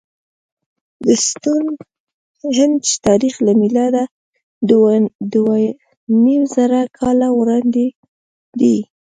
د ستونهنج تاریخ له میلاده دوهنیمزره کاله وړاندې دی.